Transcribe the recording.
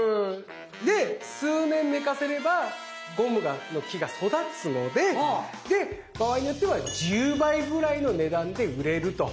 で数年寝かせればゴムの木が育つのでで場合によっては１０倍ぐらいの値段で売れると。